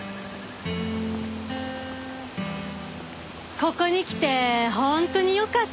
ここに来て本当によかった。